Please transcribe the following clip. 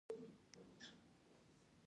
لومړی لیدلوری د یوې شفافې ادارې درلودل دي.